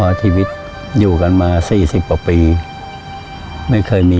พอชีวิตอยู่กันมาสี่สิบที่ปี